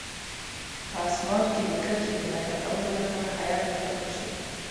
په اسمار کې د کرښې د نښه کولو لپاره هیات وټاکل شو.